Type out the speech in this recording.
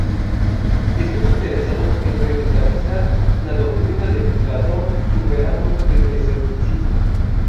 Estuvo interesado en revitalizar la doctrina de Platón superando el escepticismo.